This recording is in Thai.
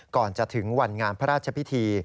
ก่อนจะถึงวันงานพระราชพิธี